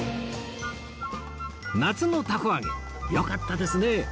夏の凧揚げ良かったですね